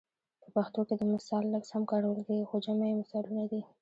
په پښتو کې د مثال لفظ هم کارول کیږي خو جمع یې مثالونه ده